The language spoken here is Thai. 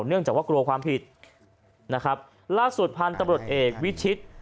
เนื่องจากว่ากลัวความผิดนะครับล่าสุดพันธุ์ตำรวจเอกวิชิต